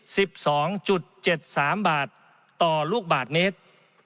สิบสองจุดเจ็ดสามบาทต่อลูกบาทเมตร